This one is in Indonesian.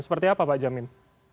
seperti apa pak jamim